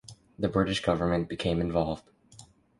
The British government became involved.